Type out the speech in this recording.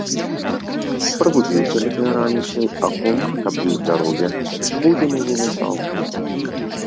Прабудзіўся гэта я раніцай, а кума, каб ёй здароўе, будзе мяне мешалкай.